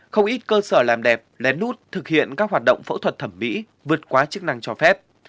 không ít cơ sở làm đẹp lén lút thực hiện các hoạt động phẫu thuật thẩm mỹ vượt quá chức năng cho phép